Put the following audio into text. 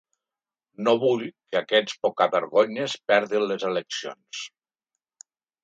No vull que aquests pocavergonyes perdin les eleccions.